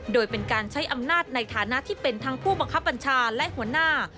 โดยเป็นการใช้อำนาจในฐานะที่เป็นทั้งผู้บังคับบัญชาและหัวหน้า